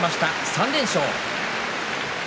３連勝。